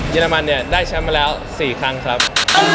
อรมันเนี่ยได้แชมป์มาแล้ว๔ครั้งครับ